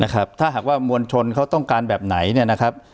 ถ้าหากว่ามวลชนเขาต้องการแบบไหนเนี่ยนะครับ